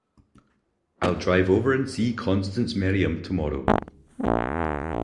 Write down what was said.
I'll drive over and see Constance Merriam to-morrow.